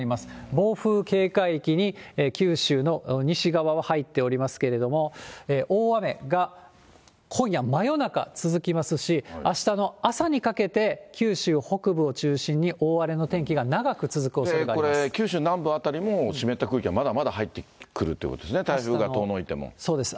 暴風警戒域に、九州の西側は入っておりますけれども、大雨が今夜、真夜中続きますし、あしたの朝にかけて九州北部を中心に大荒れの天気が長く続くおそこれ、九州南部辺りも湿った空気はまだまだ入ってくるということですね、そうです。